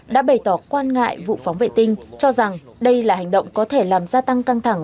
đã bày tỏ quan ngại vụ phóng vệ tinh cho rằng đây là hành động có thể làm gia tăng căng thẳng